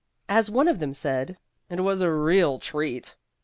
As one of them said, "it was a real treat."